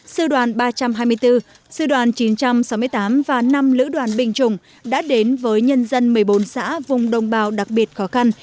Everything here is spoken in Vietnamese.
sư đoàn ba trăm hai mươi bốn sư đoàn chín trăm sáu mươi tám và năm lữ đoàn bình chủng đã đến với nhân dân một mươi bốn xã vùng đồng bào đặc biệt khó khăn